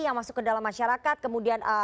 yang masuk ke dalam masyarakat kemudian